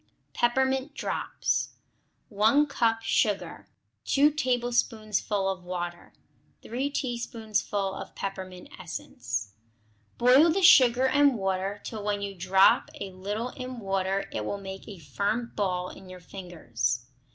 Peppermint Drops 1 cup sugar. 2 tablespoonfuls of water. 3 teaspoonfuls of peppermint essence. Boil the sugar and water till when you drop a little in water it will make a firm ball in your fingers.